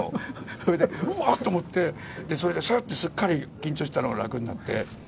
それで、うわっ！と思って、それですっと緊張してたのが楽になって。